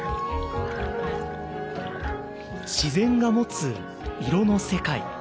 自然が持つ色の世界。